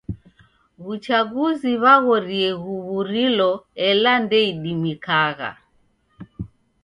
W'uchaguzi w'aghorie ghuw'uriloela ndeidimikagha.